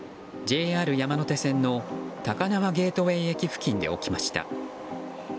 ＪＲ山手線の高輪ゲートウェイ駅付近で起きました。